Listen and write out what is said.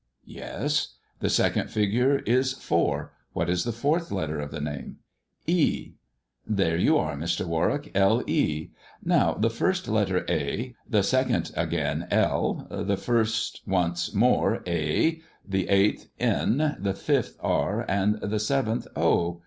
" Yes. The second figure is four. What is the fourth letter of the name 1 "" There you are, Mr. Warwick : Le. Now the first letter, ' a *; the second again, * 1 '; the first once more, * a '; the eighth, * n '; the fifth, * r '; and the seventh, * o.'